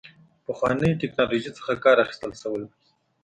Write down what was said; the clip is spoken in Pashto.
پخوانۍ ټکنالوژۍ څخه کار اخیستل شوی و.